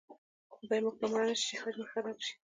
خدای مه کړه مړه نه شي او حج مې خراب شي.